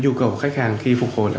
nhu cầu của khách hàng khi phục hồi